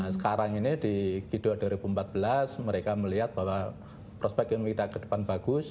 sekarang ini di kido dua ribu empat belas mereka melihat bahwa prospek ilmu kita ke depan bagus